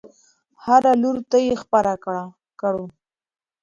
هر لور ته یې خپره کړو.